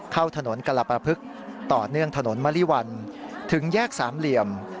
เข้าถนนกรปภึกต่อเนื่องถนนมริวัลถึงแยกสามเหลี่ยม